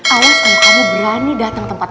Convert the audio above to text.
awas kalau kamu berani datang pering